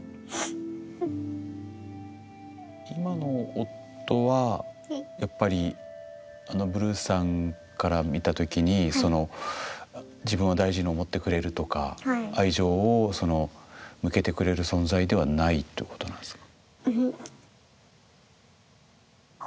今の夫はやっぱりブルーさんから見た時に自分を大事に思ってくれるとか愛情を向けてくれる存在ではないということなんですか？